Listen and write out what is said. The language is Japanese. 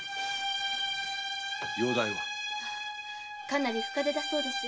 かなりの深手だそうです。